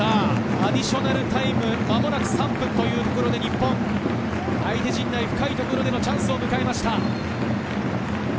アディショナルタイム、間もなく３分というところで日本、相手陣内深いところでチャンスを迎えました。